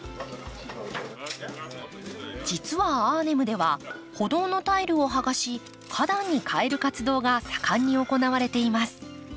実はアーネムでは歩道のタイルを剥がし花壇に替える活動が盛んに行われています。